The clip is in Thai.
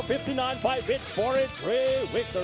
มีความรู้สึกว่า